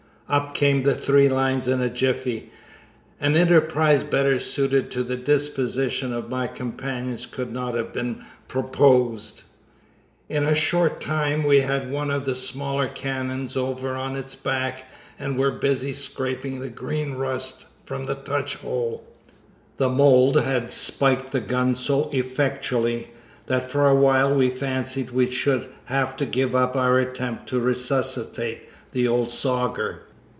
Up came the three lines in a jiffy. An enterprise better suited to the disposition of my companions could not have been proposed. In a short time we had one of the smaller cannon over on its back and were busy scraping the green rust from the touch hole. The mould had spiked the gun so effectually, that for a while we fancied we should have to give up our attempt to resuscitate the old soger.